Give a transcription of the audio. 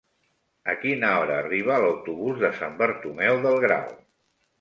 A quina hora arriba l'autobús de Sant Bartomeu del Grau?